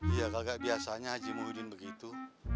iya kakak biasanya haji muhyiddin begitu